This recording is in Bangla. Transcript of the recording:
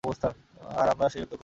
আর আমরা সেই উত্তর খুঁজছি।